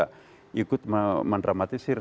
kita jangan juga ikut mendramatisir